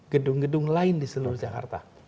gedung gedung lain di seluruh jakarta